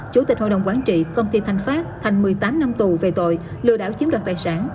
chủ tịch hội đồng quản trị công ty thanh pháp thành một mươi tám năm tù về tội lừa đảo chiếm đoạt tài sản